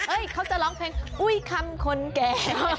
เขาจะร้องเพลงอุ้ยคำคนแก่